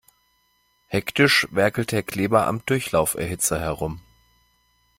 Hektisch werkelt Herr Kleber am Durchlauferhitzer herum.